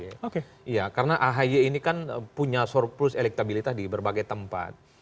iya karena ahy ini kan punya surplus elektabilitas di berbagai tempat